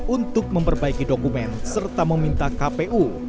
untuk memperbaiki dokumen serta meminta kpu